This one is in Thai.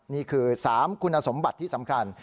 นี่คือ๓คุณสมบัติที่สำคัญ